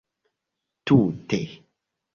Tute.